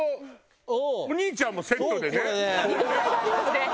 お兄ちゃんもセットでね。